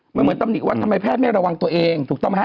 มันเหมือนตำหนิว่าทำไมแพทย์ไม่ระวังตัวเองถูกต้องไหมฮะ